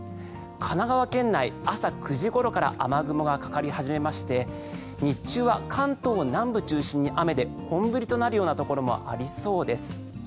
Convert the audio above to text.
神奈川県内、朝９時ごろから雨雲がかかり始めまして日中は関東南部を中心に雨で本降りとなるところもありそうです。